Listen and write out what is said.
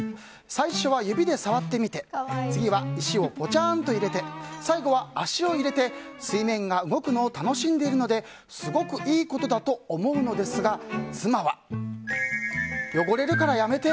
最初は指で触ってみて次は石をポチャンと入れて最後は足を入れて水面が動くのを楽しんでいるのですごくいいことだと思うのですが妻は汚れるからやめて！